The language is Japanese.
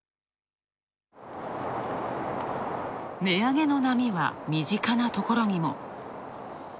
値上げの波は身近なところにも。